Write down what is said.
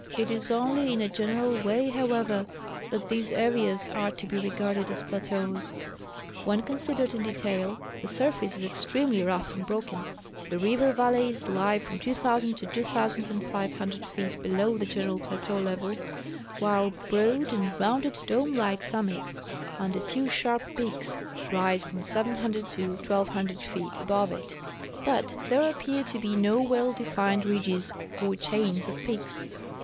It is only in a general way, however, that these areas are to be regarded as plateaus. When considered in detail the surface is extremel}^ rough and broken. The river valleys lie from 2,000 to 2,500 feet below the general plateau level, while broad and rounded dome like summits and a few sharp peaks rise from 700 to 1,200 feet above it; but there appear to be no well defined ridges or chains of peaks.